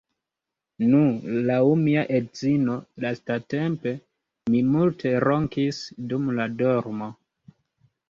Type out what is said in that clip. Nu, laŭ mia edzino, lastatempe, mi multe ronkis dum la dormo